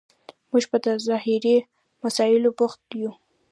موږ په ظاهري مسایلو بوخت یو.